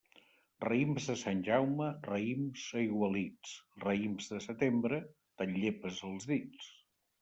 Raïms de Sant Jaume, raïms aigualits; raïms de setembre, te'n llepes els dits.